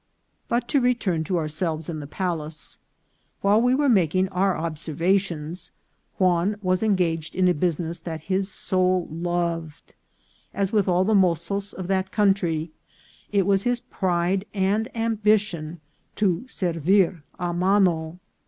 But to return ^o ourselves in the palace. While we were making our observations, Juan was engaged in a business that his soul loved. As with all the mozos of that country, it was his pride and ambition to servir a mano.